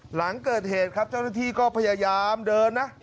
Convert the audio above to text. หลังเกิดเหตุครับเจ้าหน้าที่ก็พยายามเดินนะ